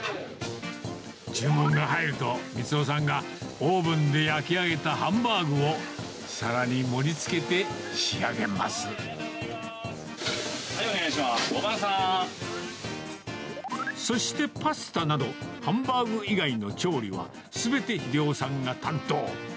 注文が入ると、光夫さんがオーブンで焼き上げたハンバーグをさらに盛りつけて仕はい、お願いします、５番さそして、パスタなど、ハンバーグ以外の調理はすべて英夫さんが担当。